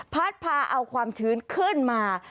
พาเอาความชื้นขึ้นมา